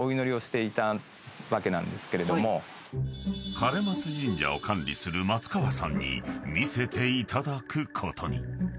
［枯松神社を管理する松川さんに見せていただくことに］